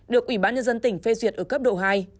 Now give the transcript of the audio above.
được ủy ban nhân dân tỉnh phê duyệt ở cấp độ hai